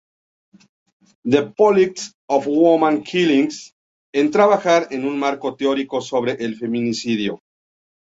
The politics of woman killing" en trabajar en un marco teórico sobre el feminicidio.